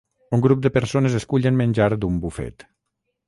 Un grup de persones escullen menjar d"un bufet